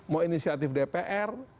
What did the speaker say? mau inisiatif dpr